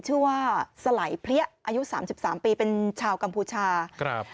ชื่อว่าสลัยเพลี๊ยะอายุ๓๓ปีเป็นชาวกัมพูชา